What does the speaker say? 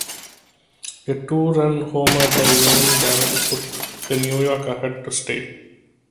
A two-run homer by Wayne Garrett put New York ahead to stay.